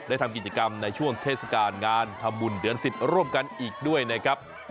ทำกิจกรรมในช่วงเทศกาลงานทำบุญเดือน๑๐ร่วมกันอีกด้วยนะครับ